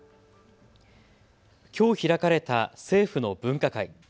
きょう開かれた政府の分科会。